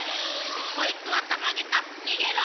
こいつはたまげた。にげろ！